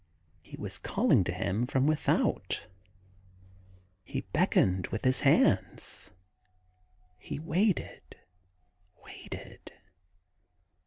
... He was calling to him from without ... he beckoned with his hands ... he waited, waited.